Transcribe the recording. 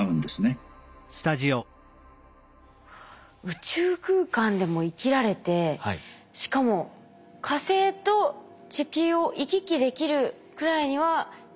宇宙空間でも生きられてしかも火星と地球を行き来できるくらいには生きられちゃう。